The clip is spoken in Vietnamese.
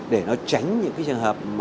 để nó tránh những trường hợp